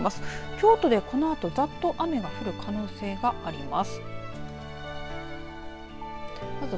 京都でこのあとざっと雨が降る可能性があります。